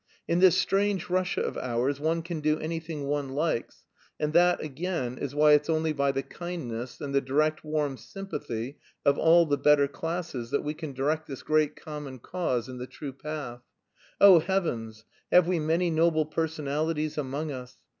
In this strange Russia of ours one can do anything one likes; and that, again, is why it's only by the kindness and the direct warm sympathy of all the better classes that we can direct this great common cause in the true path. Oh, heavens, have we many noble personalities among us!